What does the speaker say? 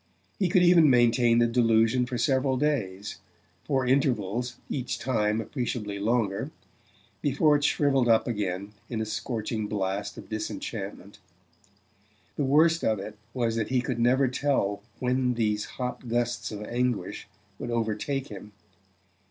He could even maintain the delusion for several days for intervals each time appreciably longer before it shrivelled up again in a scorching blast of disenchantment. The worst of it was that he could never tell when these hot gusts of anguish would overtake him.